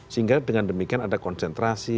sehingga dengan demikian ada konsentrasi